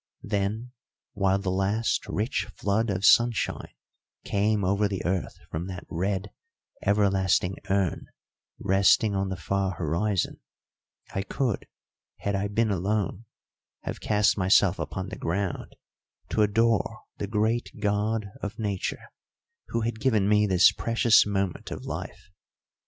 Then, while the last rich flood of sunshine came over the earth from that red, everlasting urn resting on the far horizon, I could, had I been alone, have cast myself upon the ground to adore the great God of Nature, who had given me this precious moment of life.